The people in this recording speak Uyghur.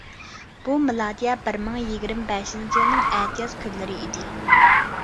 بۇ مىلادىيە بىر مىڭ يىگىرمە بەشىنچى يىلنىڭ ئەتىياز كۈنلىرى ئىدى.